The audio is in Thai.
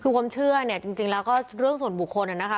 คือความเชื่อเนี่ยจริงแล้วก็เรื่องส่วนบุคคลนะคะ